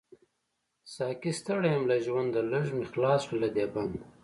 ساقۍ ستړی يم له ژونده، ليږ می خلاص کړه له دی بنده